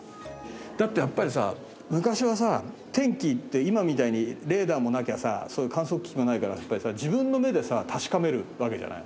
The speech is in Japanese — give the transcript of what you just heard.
だってやっぱりさ昔はさ天気って今みたいにレーダーもなきゃさそういう観測機器もないから自分の目でさ確かめるわけじゃない。